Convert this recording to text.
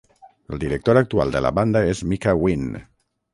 El director actual de la banda és Micah Wynn.